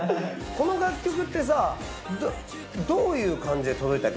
この楽曲ってさどういう感じで届いたっけ？